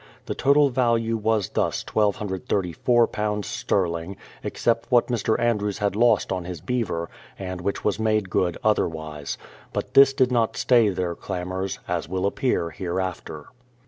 The total value was thus £1234 sterling, except what Mr. Andrews had lost on his beaver, and which was made good otherwise. But this did not stay their clamours, as will appear hereafter.